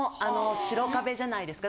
白壁じゃないですか。